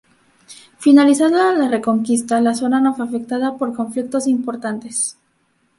Finalizada la Reconquista la zona no fue afectada por conflictos importantes.